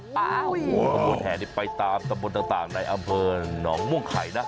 ขบวนแห่นี่ไปตามตำบลต่างในอำเภอหนองม่วงไข่นะ